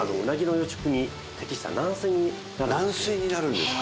軟水になるんですか。